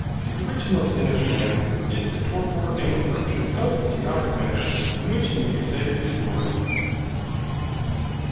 The original sin of man is the torpor and corruption of the chaotic matter in which he may be said to be born.